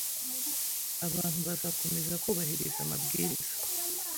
abantu bazakomeza kubahiriza amabwiriza